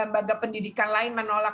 bagap pendidikan lain menolak